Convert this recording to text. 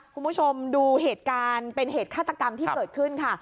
คุณผู้ชมดูเหตุการณ์เป็นเหตุฆาตกรรมที่เกิดขึ้นค่ะ